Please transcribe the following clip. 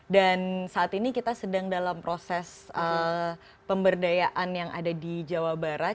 dan saat ini kita sedang dalam proses pemberdayaan yang ada di jawa barat